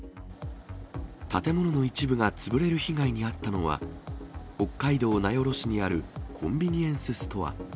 建物の一部が潰れる被害に遭ったのは、北海道名寄市にあるコンビニエンスストア。